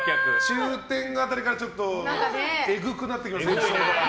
中天狗辺りからちょっとえぐくなってきますから。